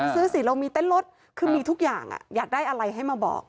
สิเรามีเต้นรถคือมีทุกอย่างอยากได้อะไรให้มาบอก